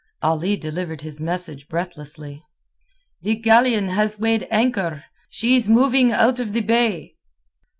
Ali delivered his message breathlessly. "The galleon has weighed anchor. She is moving out of the bay."